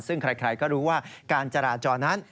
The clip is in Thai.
ซึ่งใครก็รู้ว่าการจราจรนั้น